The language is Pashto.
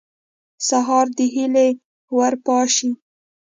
سهار د هیلې ور پاشي.